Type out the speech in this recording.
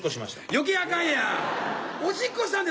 余計あかんやん！